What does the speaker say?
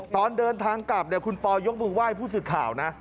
ตอนเดินทางกลับคุณปอยกมือไหว้พูดสิทธิ์ข่าวนะ